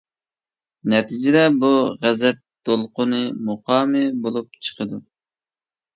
نەتىجىدە، بۇ «غەزەپ دولقۇنى» مۇقامى بولۇپ چىقىدۇ.